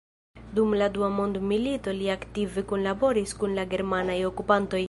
Dum la Dua Mondmilito li aktive kunlaboris kun la germanaj okupantoj.